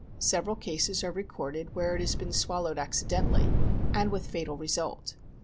Several cases are recorded where it has been swallowed accidentally, and with fatal result.